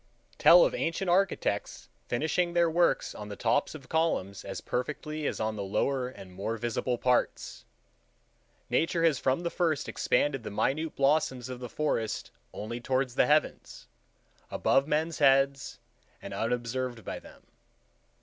Tell of ancient architects finishing their works on the tops of columns as perfectly as on the lower and more visible parts! Nature has from the first expanded the minute blossoms of the forest only toward the heavens, above men's heads and unobserved by them.